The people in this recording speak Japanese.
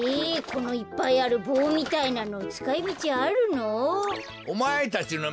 このいっぱいあるぼうみたいなのつかいみちあるの？